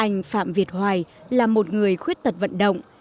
anh phạm việt hoài là một người khuyết tật vận động